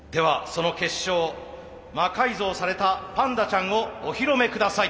その結晶魔改造されたパンダちゃんを御披露目ください。